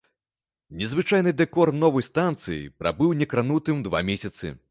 Незвычайны дэкор новай станцыі прабыў некранутым два месяцы.